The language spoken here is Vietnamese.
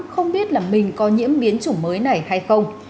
không biết là mình có nhiễm biến chủng mới này hay không